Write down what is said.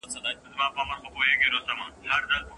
ماهر ساعت لا نه دی کتلی.